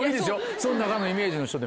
その中のイメージの人で。